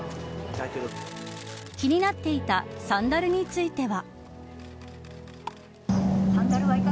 気になっていたサンダルについては。